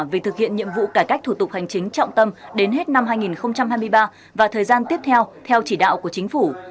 về thực hiện nhiệm vụ cải cách thủ tục hành chính trọng tâm đến hết năm hai nghìn hai mươi ba và thời gian tiếp theo theo chỉ đạo của chính phủ